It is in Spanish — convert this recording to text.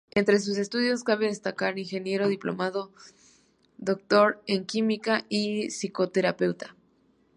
Entre sus estudios cabe destacar ingeniero diplomado, Dr. en química y psicoterapeuta.